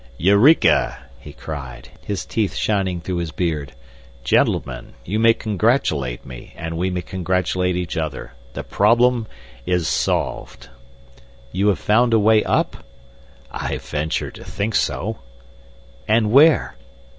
"Eureka!" he cried, his teeth shining through his beard. "Gentlemen, you may congratulate me and we may congratulate each other. The problem is solved." "You have found a way up?" "I venture to think so." "And where?"